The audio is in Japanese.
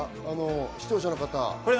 視聴者の方は。